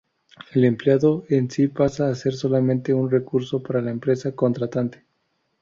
El empleado en sí pasa a ser solamente un recurso para la empresa contratante.